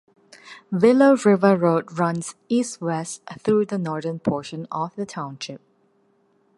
Willow River Road runs east-west through the northern portion of the township.